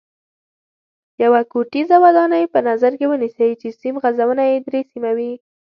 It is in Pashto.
یوه کوټیزه ودانۍ په نظر کې ونیسئ چې سیم غځونه یې درې سیمه وي.